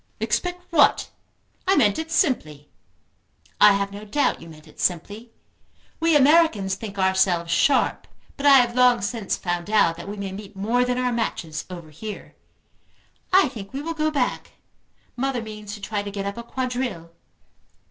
"Expect what? I meant it simply." "I have no doubt you meant it simply. We Americans think ourselves sharp, but I have long since found out that we may meet more than our matches over here. I think we will go back. Mother means to try to get up a quadrille."